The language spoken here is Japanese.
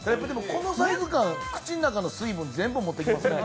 このサイズ感、口の中の水分全部持っていきますね。